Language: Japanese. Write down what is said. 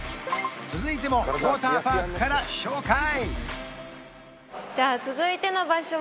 続いてもウォーターパークから紹介